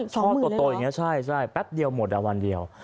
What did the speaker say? ท่อโตอย่างนี้ใช่แป๊บเดียวหมดวันเดียว